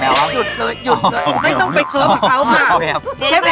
หยุดเลยไม่ต้องไปเคิ้มเขามา